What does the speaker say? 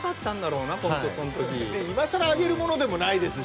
いまさらあげるものでもないですし。